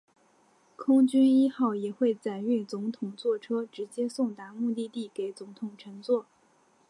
空军一号也会载运总统座车直接送达目的地给总统乘坐。